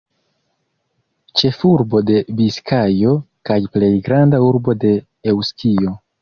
Ĉefurbo de Biskajo kaj plej granda urbo de Eŭskio.